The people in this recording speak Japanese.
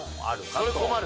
それ困る。